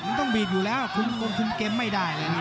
มันต้องบีบอยู่แล้วคุ้มเกมไม่ได้เลย